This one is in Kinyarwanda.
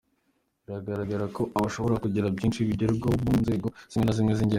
Biragaragara ko hashobora kugira byinshi bigerwaho vuba mu nzego zimwe na zimwe z’ingenzi.